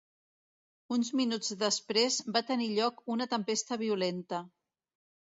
Uns minuts després, va tenir lloc una tempesta violenta.